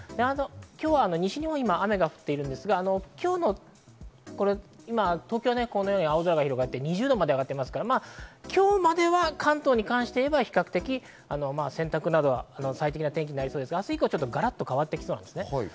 今日は西日本は今、雨が降っているんですが、東京は青空が広がっていて２０度まで上がっていますが、今日までは関東に関して言えば、比較的、洗濯などは最適な天気になりそうなんですが、明日以降はがらりと変わりそうです。